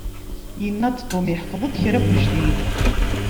Yenna-d Tom iḥfeḍ-d kra n wejdid.